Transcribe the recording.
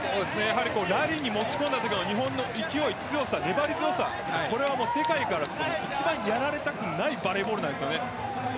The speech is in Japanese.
ラリーに持ち込んだときの日本の勢い、強さ粘り強さこれは世界からすると一番やられたくないバレーボールなんですよね。